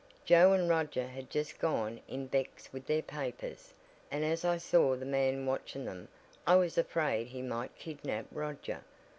Joe and Roger had just gone in Beck's with their papers, and as I saw the man watching them I was afraid he might kidnap Roger.